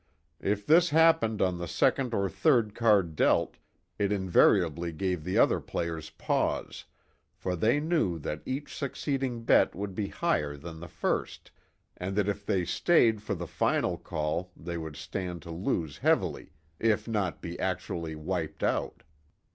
If this happened on the second or third card dealt it invariably gave the other players pause, for they knew that each succeeding bet would be higher than the first, and that if they stayed for the final call they would stand to lose heavily if not be actually wiped out.